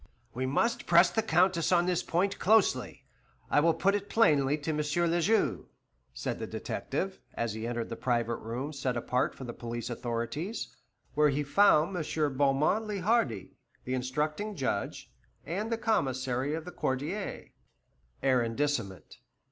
"We must press the Countess on this point closely; I will put it plainly to M. le Juge," said the detective, as he entered the private room set apart for the police authorities, where he found M. Beaumont le Hardi, the instructing judge, and the Commissary of the Quartier (arrondissement).